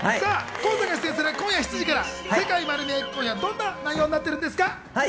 ＫＯＯさんが出演する今夜７時から『世界まる見え！』、今夜はどんな内容になってるんですか？